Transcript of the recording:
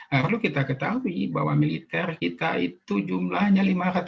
nah perlu kita ketahui bahwa militer kita itu jumlahnya lima ratus